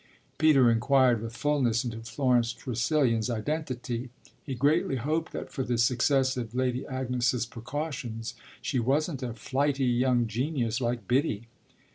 Peter inquired with fulness into Florence Tressilian's identity: he greatly hoped that for the success of Lady Agnes's precautions she wasn't a flighty young genius like Biddy.